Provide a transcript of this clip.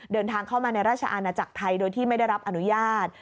เดินทางเข้ามาในราชอาณาจักรไทยโดยที่ไม่ได้รับอนุญาต